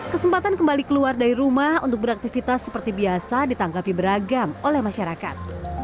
kesempatan kembali keluar dari rumah untuk beraktivitas seperti biasa ditangkapi beragam oleh masyarakat